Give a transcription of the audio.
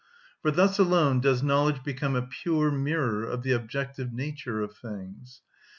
For thus alone does knowledge become a pure mirror of the objective nature of things.